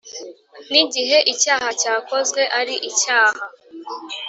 n igihe icyaha cyakozwe ari icyaha